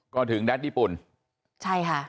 ก็ถึงรับราชดิ์ญี่ปุ่น